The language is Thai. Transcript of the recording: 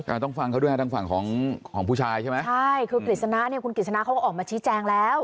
อ่าต้องฟังเขาด้วยนะทางฝั่งของของผู้ชายใช่ไหมใช่คือผลิตสนาเนี้ยคุณผลิตสนาเขาก็ออกมาชี้แจงแล้ว